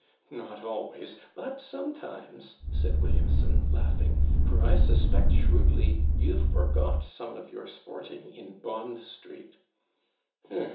'Not always but sometimes,' said Williamson, laughing; 'for I suspect shrewdly you've forgot some of your sporting in Bond Street.'